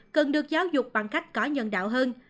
cần được giáo dục bằng cách có nhân đạo hơn